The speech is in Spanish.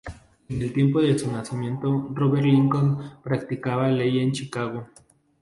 En el tiempo de su nacimiento, Robert Lincoln practicaba ley en Chicago.